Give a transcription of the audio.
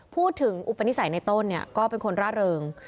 พูดถึงอุปนิสัยในต้นก็เป็นคนร่าเริง